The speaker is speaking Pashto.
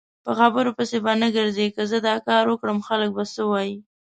په خبرو پسې به نه ګرځی که زه داکاروکړم خلک به څه وایي؟